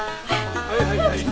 はいはいはい。